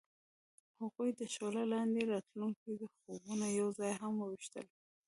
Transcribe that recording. هغوی د شعله لاندې د راتلونکي خوبونه یوځای هم وویشل.